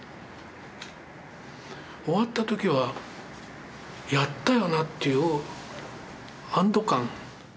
終わった時は「やったよな」っていう安堵感。